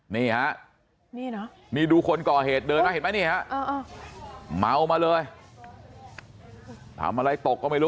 นี่ฮะนี่ดูคนก่อเหตุเดินมาเห็นไหมนี่ฮะเมามาเลยทำอะไรตกก็ไม่รู้